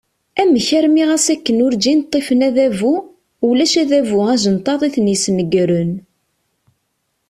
Amek armi ɣas akken urǧin ṭṭifen adabu, ulac adabu ajenṭaḍ i ten-yesnegren.